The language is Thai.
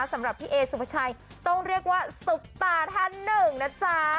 สำหรับพี่เอสุภาชัยต้องเรียกว่าซุปตาท่านหนึ่งนะจ๊ะ